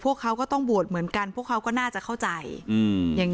ไม่อยากให้มองแบบนั้นจบดราม่าสักทีได้ไหม